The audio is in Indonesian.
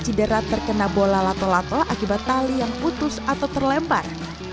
cederat terkena bola lato lato akibat tali yang putus atau terlempar